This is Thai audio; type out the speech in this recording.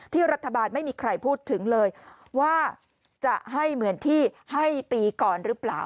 รัฐบาลไม่มีใครพูดถึงเลยว่าจะให้เหมือนที่ให้ปีก่อนหรือเปล่า